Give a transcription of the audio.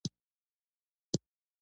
ډېری خلک يې خوښ دی.